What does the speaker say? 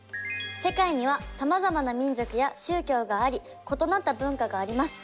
世界にはさまざまな民族や宗教があり異なった文化があります。